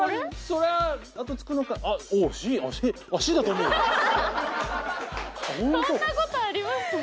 そんな事あります？